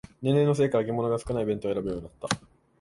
年齢のせいか揚げ物が少ない弁当を選ぶようになった